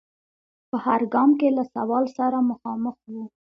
په هر ګام کې له سوال سره مخامخ و.